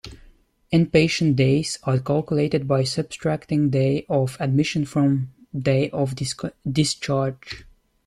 Inpatient days are calculated by subtracting day of admission from day of discharge.